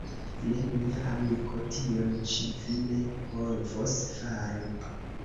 Ne, mia amiko, tion ĉi vi ne povos fari.